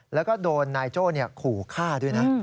แล้วก็โดนนายโจ้ขู่ฆ่าด้วยนะ